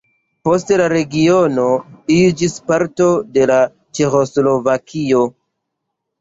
Poste la regiono iĝis parto de Ĉeĥoslovakio.